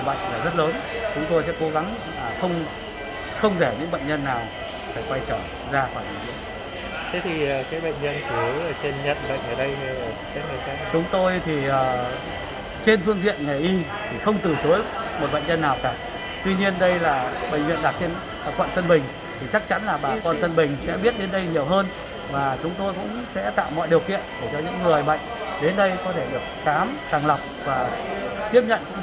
và chúng tôi cũng sẽ tạo mọi điều kiện để cho những người bệnh đến đây có thể được khám sàng lọc và tiếp nhận cũng như là điều trị